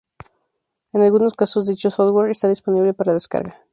En algunos casos dicho software está disponible para descarga.